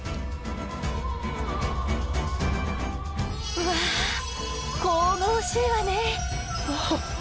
うわ神々しいわね。